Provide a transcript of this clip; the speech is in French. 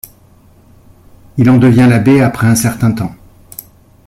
Il en devient l'abbé après un certain temps.